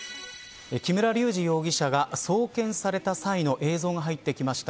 木村隆二容疑者が送検された際の映像が入ってきました。